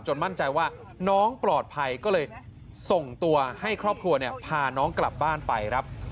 มั่นใจว่าน้องปลอดภัยก็เลยส่งตัวให้ครอบครัวพาน้องกลับบ้านไปครับ